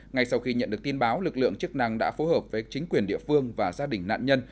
ngay sau khi nhận được tin báo lực lượng chức năng đã phối hợp với chính quyền địa phương và gia đình nạn nhân